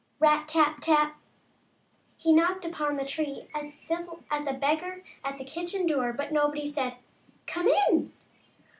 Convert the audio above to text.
Rap ! tap ! tap ! He knocked upon the tree as civil as a beggar at the kitchen door, but nobody said, " Come in